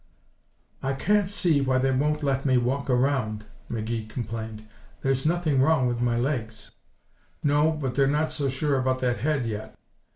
"I can't see why they won't let me walk around," McGee complained. "There's nothing wrong with my legs." "No, but they're not so sure about that head, yet.